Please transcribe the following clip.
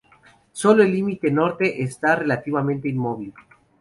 Sólo el límite norte está relativamente inmóvil.